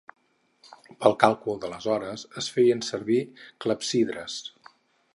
Per al càlcul de les hores es feien servir clepsidres.